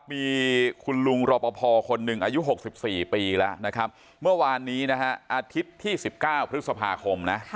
มีคุณลุงรอปภคนหนึ่งอายุ๖๔ปีแล้วนะครับเมื่อวานนี้นะฮะอาทิตย์ที่๑๙พฤษภาคมนะ